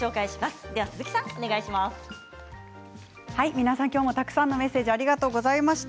皆さん今日もたくさんのメッセージありがとうございました。